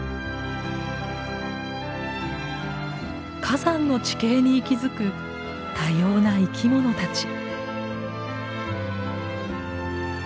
火山の地形に息づく多様な生きものたち。